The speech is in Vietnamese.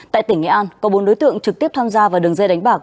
tại tỉnh nghệ an có bốn đối tượng trực tiếp tham gia vào đường dây đánh bạc